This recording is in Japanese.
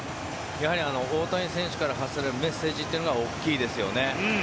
やはり大谷選手から発せられるメッセージというのが大きいですよね。